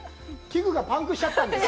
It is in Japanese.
機具がパンクしちゃったんです。